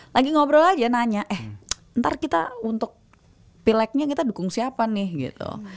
lagi ngobrol aja nanya eh ntar kita untuk pileknya kita dukung siapa nih gitu